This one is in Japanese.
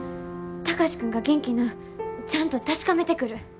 貴司君が元気なんちゃんと確かめてくる。